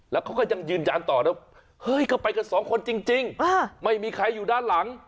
แล้วเขาก็ยังยืนยันต่อนะเฮ้ยก็ไปกันสองคนจริงไม่มีใครอยู่ด้านหลัง